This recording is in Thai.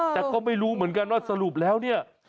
แต่ก็ไม่รู้เหมือนกันว่าสรุปแล้วเนี่ย